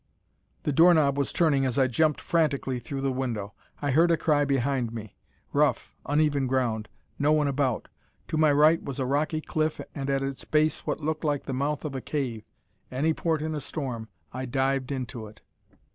The door knob was turning as I jumped frantically through the window. I heard a cry behind me. Rough, uneven ground. No one about. To my right was a rocky cliff, and at its base what looked like the mouth of a cave. Any port in a storm: I dived into it.